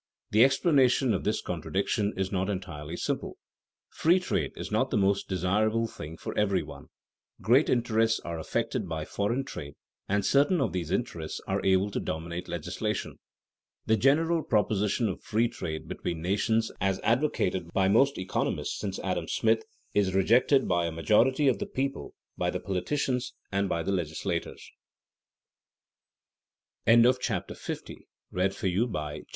The explanation of this contradiction is not entirely simple. Free trade is not the most desirable thing for every one. Great interests are affected by foreign trade and certain of these interests are able to dominate legislation. The general proposition of free trade between nations, as advocated by most economists since Adam Smith, is rejected by a majority of the people, by the politicians, and by the legislators. CHAPTER 51 THE PROTECTIVE TARIFF § I.